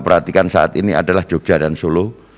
perhatikan saat ini adalah jogja dan solo